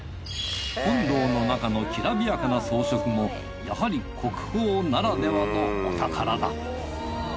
本堂の中のきらびやかな装飾もやはり国宝ならではのお宝だ。